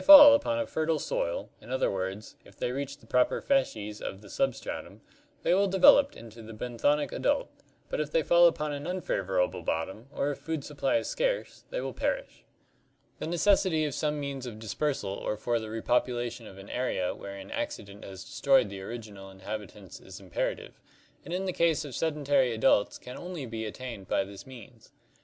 Sooner or later, however, they will sink to the bottom, a veritable rain of seedling organisms, and if they fall upon a fertile soil, in other words, if they reach the proper fades of the substratum, they will develop into the benthonic adult; but if they fall upon an unfavorable bottom, or if food supply is scarce, they will perish." The necessity of some means of dispersal or for the repopulation of an area wherein accident has destroyed the original inhabitants . is imperative, and in the case of sedentary adults can only be at tained by this means.